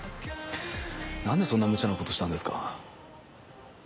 何でそんなむちゃなことしたんですか？